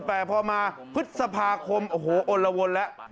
แต่พอมาพฤษภาคมโอ้โหอลละวนแล้ว